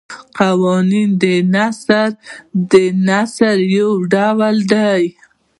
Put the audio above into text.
قانوني نثر د نثر یو ډول دﺉ.